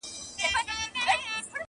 هر ماښام به رنگ په رنگ وه خوراكونه!.